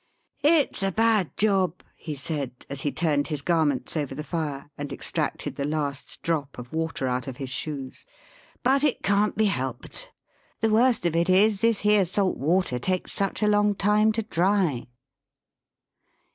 "It's a bad job," he said, as he turned his garments over the fire, and extracted the last drop of water out of his shoes, "but it can't be helped. The worst of it is this here salt water takes such a long time to dry."